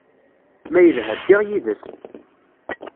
Ma yelḥa, ddiɣ yid-s.